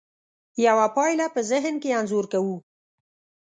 یوه پایله په ذهن کې انځور کوو.